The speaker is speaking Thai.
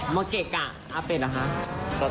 มาเกะกะอาเป็ดเหรอคะ